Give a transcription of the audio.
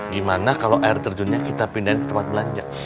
gimana kalau air terjunnya kita pindahin ke tempat belanja